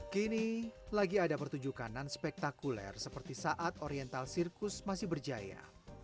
kini lagi ada pertunjukan nan spektakuler seperti saat oriental sirkus masih berjaya